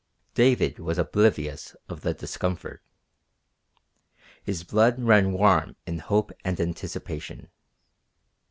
David was oblivious of the discomfort. His blood ran warm in hope and anticipation.